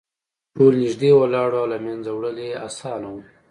ټول نږدې ولاړ وو او له منځه وړل یې اسانه وو